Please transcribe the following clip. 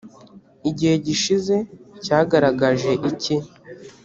igihe gishize cyagaragaje iki ‽